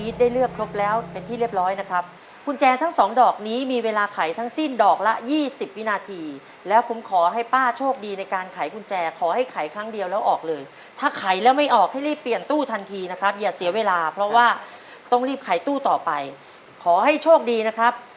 แค่ผมออกเลยถ้าแค่คุณแจร์๒ดอกไปอีทได้เลือกเดี๋ยวแล้วเป็นที่เรียบร้อยครับว่าต้องรีบไข่ตู้ต่อไปขอให้โชค